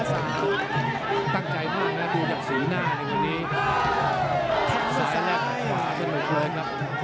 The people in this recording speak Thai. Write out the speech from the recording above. ซ้ายและขวาเส้นหมดเบิร์นครับ